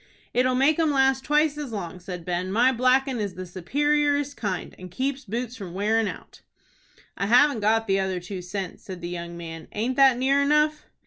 "It'll make 'em last twice as long," said Ben. "My blackin' is the superiorest kind, and keeps boots from wearin' out." "I havn't got the other two cents," said the young man. "Aint that near enough?"